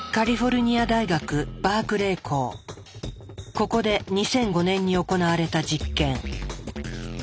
ここで２００５年に行われた実験。